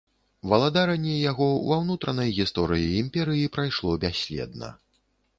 Валадаранне яго ва ўнутранай гісторыі імперыі прайшло бясследна.